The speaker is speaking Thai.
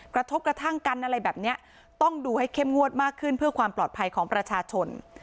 กระทบกระทั่งกันอะไรแบบนี้ต้องดูให้เข้มงวดมากขึ้นเพื่อความปลอดภัยของประชาชน